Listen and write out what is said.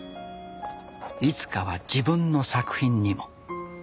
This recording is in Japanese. いつかは自分の作品にも。